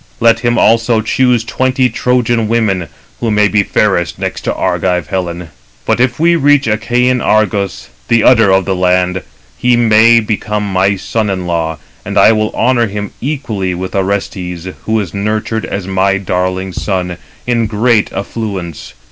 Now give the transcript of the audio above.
Let him also choose twenty Trojan women, who may be fairest next to Argive Helen. But if we reach Achæan Argos, the udder of the land, 296 he may become my son in law; and I will honour him equally with Orestes, who is nurtured as my darling son, in great affluence.